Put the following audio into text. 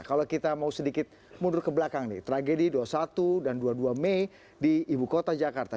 kalau kita mau sedikit mundur ke belakang nih tragedi dua puluh satu dan dua puluh dua mei di ibu kota jakarta